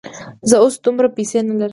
زه اوس دومره پیسې نه لرم.